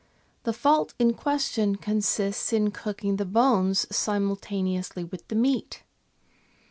The fault in question consists in cooking the bones simultaneously with the meat.